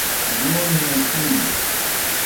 گُوݨیْ ہے چُݨیْ